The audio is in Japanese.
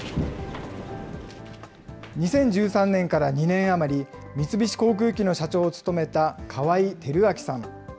２０１３年から２年余り、三菱航空機の社長を務めた川井昭陽さん。